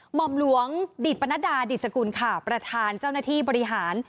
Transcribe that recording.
ห่อมหลวงดิตปนัดดาดิสกุลค่ะประธานเจ้าหน้าที่บริหาร